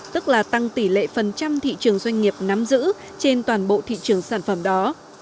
tức là tăng tỷ lệ phần trăm thị trường doanh nghiệp nắm giữ trên toàn bộ thị trường sản phẩm đó